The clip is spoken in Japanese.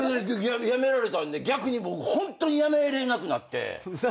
やめられたんで逆に僕ホントにやめれなくなって。